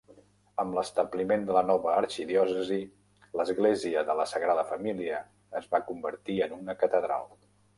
Amb l'establiment de la nova arxidiòcesi, l'església de la Sagrada Família es va convertir en una catedral.